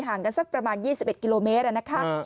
ห่างกันสักประมาณ๒๑กิโลเมตรแล้วนะคะ